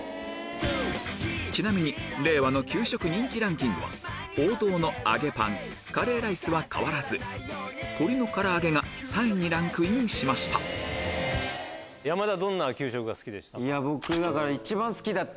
ちなみに令和の給食人気ランキングは王道の揚げパンカレーライスは変わらず鶏の唐揚げが３位にランクインしました山田は。